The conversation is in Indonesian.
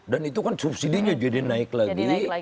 dan itu kan subsidi nya jadi naik lagi